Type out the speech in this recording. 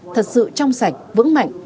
thật sự trong sạch vững mạnh